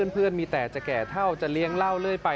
เพื่อนมีแต่จะแก่เท่าจะเลี้ยงเหล้าเรื่อยไป